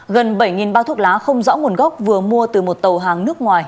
gần bảy bao thuốc lá không rõ nguồn gốc vừa mua từ một tàu hàng nước ngoài